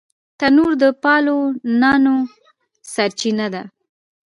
تنور د پالو نانو سرچینه ده